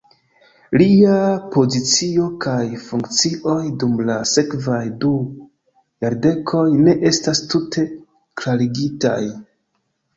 Lia pozicio kaj funkcioj dum la sekvaj du jardekoj ne estas tute klarigitaj.